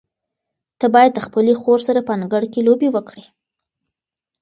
ته باید د خپلې خور سره په انګړ کې لوبې وکړې.